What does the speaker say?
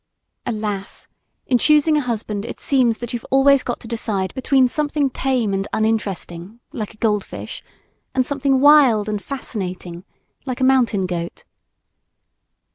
Alas! In choosing a husband, it seems that you've always got to decide between something tame and uninteresting, like a gold fish, and something wild and fascinating, like a mountain goat.